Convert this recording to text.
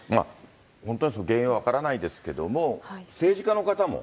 本当に原因は分からないですけども、政治家の方も。